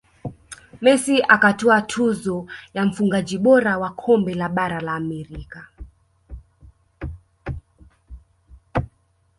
messi akatwaa tuzo ya mfungaji bora wa kombe la bara la amerika